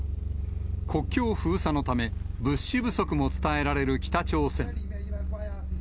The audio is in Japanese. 国境封鎖のため、物資不足も伝えられる北朝鮮。